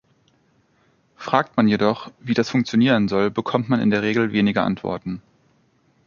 Fragt man jedoch, wie das funktionieren soll, bekommt man in der Regel wenige Antworten.